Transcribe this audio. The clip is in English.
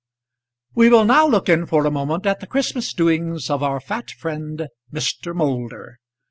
We will now look in for a moment at the Christmas doings of our fat friend, Mr. Moulder.